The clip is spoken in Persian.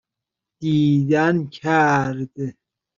دیدنکرد